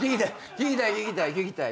聞きたい聞きたい聞きたい。